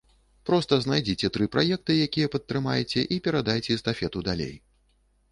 Проста знайдзіце тры праекты, якія падтрымаеце, і перадайце эстафету далей.